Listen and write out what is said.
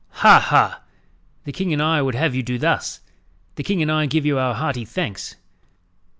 "Ha! ha! 'The king and I would have you do thus!' 'The king and I give you our hearty thanks!'